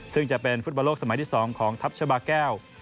ซึ่งจะเป็นฟุตบอลโลกสมัยที่๒ของทัพชาบาแก้ว